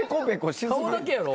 顔だけやろ？